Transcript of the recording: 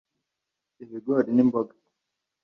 ibigori n’imboga